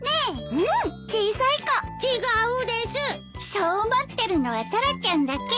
そう思ってるのはタラちゃんだけよ。